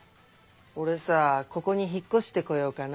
オレさぁここに引っ越してこようかな。